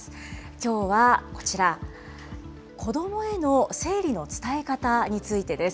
きょうはこちら、子どもへの生理の伝え方についてです。